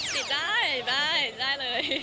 ปิดได้ได้ได้เลย